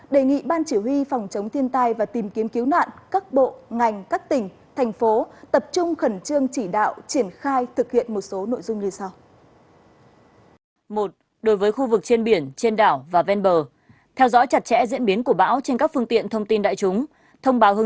đề nghị ban chỉ huy phòng chống thiên tai và tìm kiếm cứu nạn các bộ ngành các tỉnh thành phố